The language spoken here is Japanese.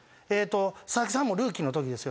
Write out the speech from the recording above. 佐々木さんもルーキーのときですよね。